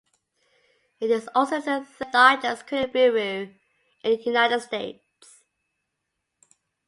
It is also the third-largest credit bureau in the United States.